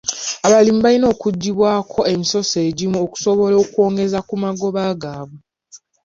Abalimi balina okuggyibwako emisoso egimu okusobola okwongeza ku magoba gaabwe.